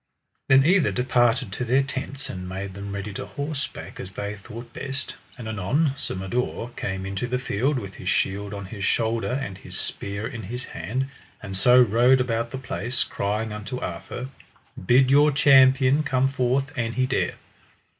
Then either departed to their tents and made them ready to horseback as they thought best. And anon Sir Mador came into the field with his shield on his shoulder and his spear in his hand; and so rode about the place crying unto Arthur: Bid your champion come forth an he dare.